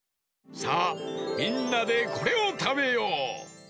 さあみんなでこれをたべよう。